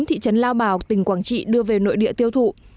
thị trấn lao bảo tỉnh quảng trị đưa về nội địa tiêu thụ